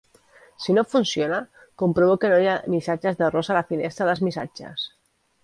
Si no funciona, comproveu que no hi ha missatges d'errors a la finestra dels missatges.